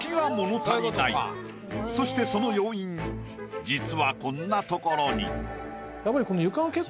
そしてその要因実はこんなところに。